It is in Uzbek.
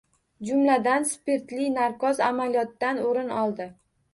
Jumladan, spirtli narkoz amaliyotdan o‘rin oldi